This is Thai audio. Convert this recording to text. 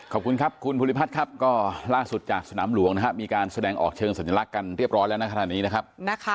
ขอบคุณครับคุณภูริพัฒน์ครับก็ล่าสุดจากสนามหลวงนะครับมีการแสดงออกเชิงสัญลักษณ์กันเรียบร้อยแล้วนะขณะนี้นะครับ